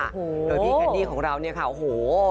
โดยพี่แคนดี้ของเราเนี่ยค่ะโอ้โห